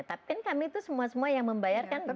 tapi kan kami itu semua semua yang membayarkan